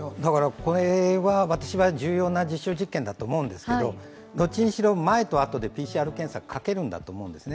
これは私は重要な実証実験だと思うんですけど、どっちにしろ前と後でＰＣＲ検査かけるんだと思うんですね。